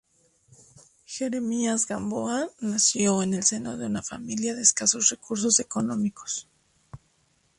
Jeremías Gamboa nació en el seno de una familia de escasos recursos económicos.